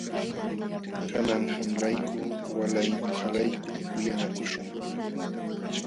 Kanan qamlayku walay ñuqalayku uyanakuśhun.